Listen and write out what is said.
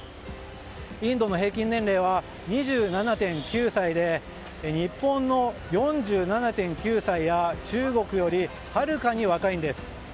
インドの平均年齢は２７．９歳で日本の４７．９歳や中国よりはるかに若いんです。